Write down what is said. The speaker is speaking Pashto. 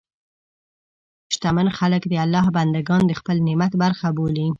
شتمن خلک د الله بندهګان د خپل نعمت برخه بولي.